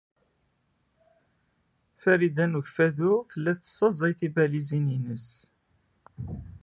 Farida n Ukeffadu tella tessaẓay tibalizin-nnes.